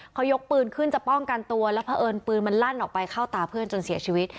เขายกปืนขึ้นจะป้องกันตัวแล้วเพราะเอิญปืนมันลั่นออกไปเข้าตาเพื่อนจนเสียชีวิต